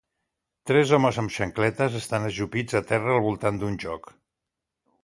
Tres homes amb xancletes estan ajupits a terra al voltant d'un joc.